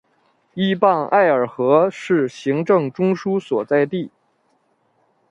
依傍艾尔河是行政中枢所在地。